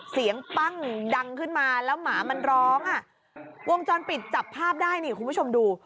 ปั้งดังขึ้นมาแล้วหมามันร้องอ่ะวงจรปิดจับภาพได้นี่คุณผู้ชมดู